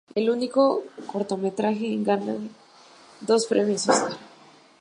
Es el único cortometraje en ganar dos Premios Óscar.